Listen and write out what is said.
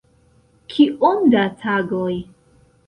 Kiom da tagoj?